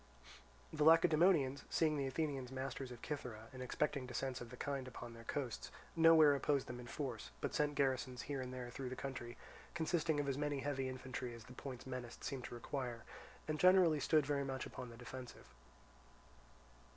The Lacedaemonians seeing the Athenians masters of Cythera, and expecting descents of the kind upon their coasts, nowhere opposed them in force, but sent garrisons here and there through the country, consisting of as many heavy infantry as the points menaced seemed to require, and generally stood very much upon the defensive.